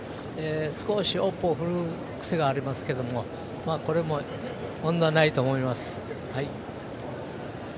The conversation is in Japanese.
少し尾っぽを振る癖がありますけどこれも問題ないと思います。